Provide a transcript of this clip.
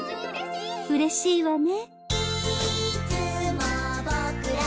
うれしいわね